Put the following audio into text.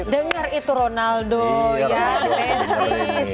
dengar itu ronaldo messi